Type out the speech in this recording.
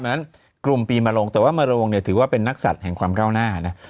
เพราะฉะนั้นกลุ่มปีมาลงแต่ว่ามโรงเนี่ยถือว่าเป็นนักศัตริย์แห่งความก้าวหน้านะ